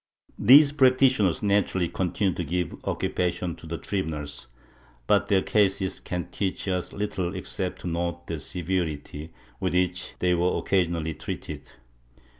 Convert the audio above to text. These practitioners naturally continued to give occupation to the tribunals, but their cases can teach us little except to note the severity with which they were occasionally treated.